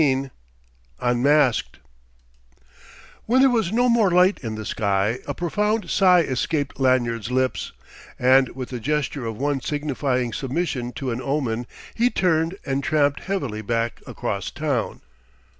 XIX UNMASKED When there was no more light in the sky, a profound sigh escaped Lanyard's lips; and with the gesture of one signifying submission to an omen, he turned and tramped heavily back across town.